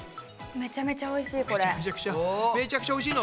めちゃくちゃおいしいの？